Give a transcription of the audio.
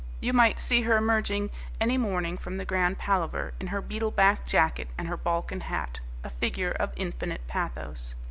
You might see her emerging any morning from the Grand Palaver in her beetle back jacket and her Balkan hat, a figure of infinite pathos.